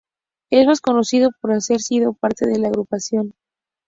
Es más conocido por haber sido parte de la agrupación Skid Row.